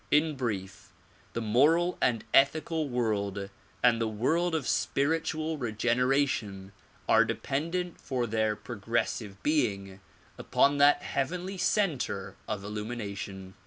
In brief, the moral and ethical world and the world of spiritual regeneration are dependent for their progressive being upon that heavenly center of illumination.